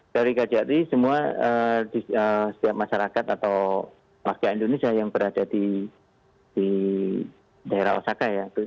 dari kjri semua setiap masyarakat atau rakyat indonesia yang berada di daerah osaka ya